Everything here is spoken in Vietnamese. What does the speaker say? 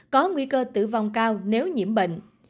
có nguy cơ tử vong cao nếu nhiễm bệnh